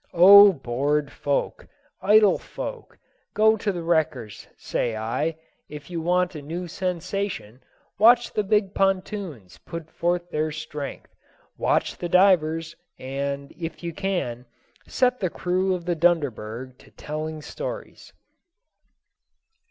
Oh, bored folk, idle folk, go to the wreckers, say I, if you want a new sensation; watch the big pontoons put forth their strength, watch the divers, and (if you can) set the crew of the Dunderberg to telling stories.